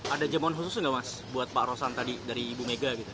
ada jamuan khusus nggak mas buat pak rosan tadi dari ibu mega gitu